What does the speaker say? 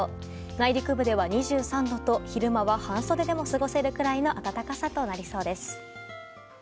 内陸部では２３度と昼間は半袖でも過ごせるくらいの暖かさとなりそうです。